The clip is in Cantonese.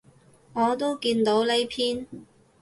我都見到呢篇